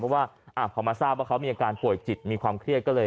เพราะว่าพอมาทราบว่าเขามีอาการป่วยจิตมีความเครียดก็เลย